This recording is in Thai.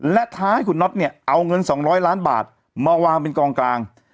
และท้าให้คุณน็อตเนี่ยเอาเงิน๒๐๐ล้านบาทมาวางเป็นกองกลาง